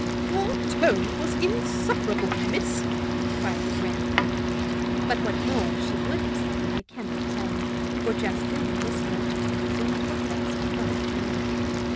"Your tone was insufferable, miss!" cried the grand lady; but what more she would have said I can not tell, for just then Miss Mortimer resumed her place in front of Mary.